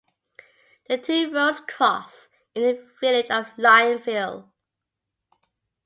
The two roads cross in the village of Lionville.